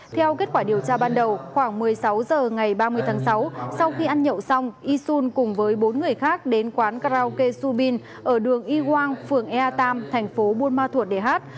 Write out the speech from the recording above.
theo kết quả điều tra ban đầu khoảng một mươi sáu h ngày ba mươi tháng sáu sau khi ăn nhậu xong y xuân cùng với bốn người khác đến quán karaoke subin ở đường y hoang phường ea tam thành phố buôn ma thuột để hát